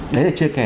đấy là chưa kể